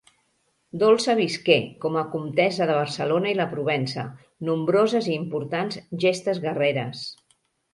Dolça visqué, com a comtessa de Barcelona i la Provença, nombroses i importants gestes guerreres.